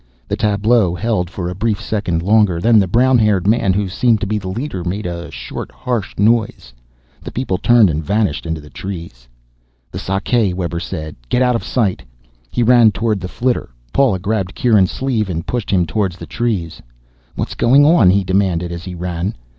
The tableau held for a brief second longer. Then the brown haired man who seemed to be the leader made a short harsh noise. The people turned and vanished into the trees. "The Sakae," Webber said. "Get out of sight." He ran toward the flitter. Paula grabbed Kieran's sleeve and pushed him toward the trees. "What's going on?" he demanded as he ran.